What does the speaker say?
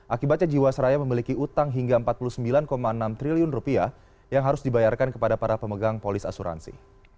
akibatnya jiwasraya memiliki utang hingga rp empat puluh sembilan enam triliun rupiah yang harus dibayarkan kepada para pemegang polis asuransi